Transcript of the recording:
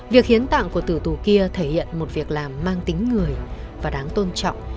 việc hiến tạng của tử tù kia thể hiện một việc làm mang tính người và đáng tôn trọng